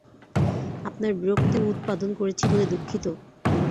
আপনার বিরক্তি উৎপাদন করেছি বলে দুঃখিত।